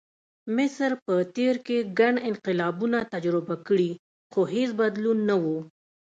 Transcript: مصر په تېر کې ګڼ انقلابونه تجربه کړي، خو هېڅ بدلون نه و.